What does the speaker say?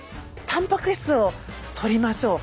たんぱく質をとりましょう。